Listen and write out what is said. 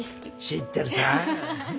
知ってるさー。